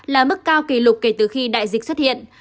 là mức cao kỷ lục kể từ khi đại dịch xuất hiện